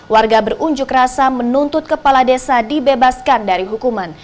warga berunjuk rasa menuntut kepala desa dibebaskan dari hukuman